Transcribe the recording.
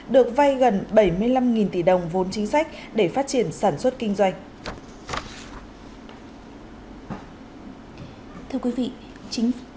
được vay gần bảy mươi năm tỷ đồng vốn chính sách để phát triển sản xuất kinh doanh